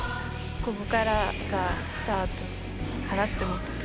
ここからがスタートかなって思ってて。